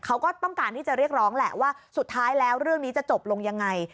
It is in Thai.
เขาก็ต้องการที่จะเรียกร้องแหละว่าสุดท้ายแล้วเรื่องนี้จะจบลงยังไง